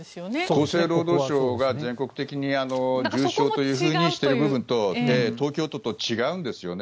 厚生労働省が全国的に重症というふうにしている部分と東京都と違うんですよね。